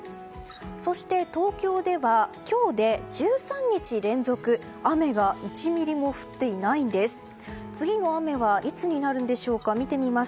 そして、東京では今日で１３日連続雨が１ミリも降っていないんです。